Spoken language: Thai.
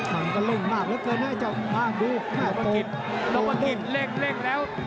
มันก็เร่งมากเหลือเกินไว้จากอ้าวดูโนโปรกิตโนโปรกิตเล็กเล็กแล้ว